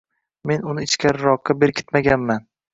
Men uni ichkariroqqa berkitmaganman.